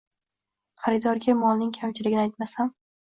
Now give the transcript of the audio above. Xaridorga molning kamchiligini aytmasam